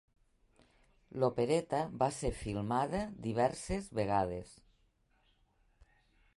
L'opereta va ser filmada diverses vegades.